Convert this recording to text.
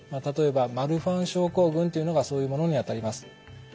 例えばマルファン症候群というのがそういうものにあたります。